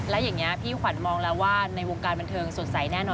และอย่างนี้พี่ขวัญมองแล้วว่าในวงการบันเทิงสดใสแน่นอน